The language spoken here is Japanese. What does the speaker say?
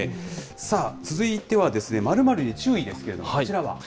さあ、続いては〇〇に注意ですけこちらは、